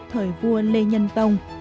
thời vua lê nhân tông